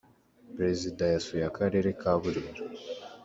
perezida yasuye akarere ka burera.